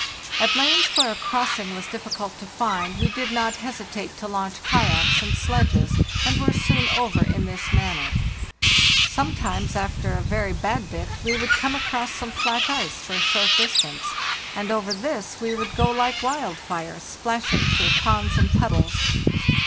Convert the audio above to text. At lanes where a crossing was difficult to find we did not hesitate to launch kayaks and sledges, and were soon over in this manner. Sometimes after a very bad bit we would come across some flat ice for a short distance, and over this we would go like wild fire, splashing through ponds and puddles.